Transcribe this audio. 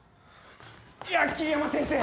いや桐山先生！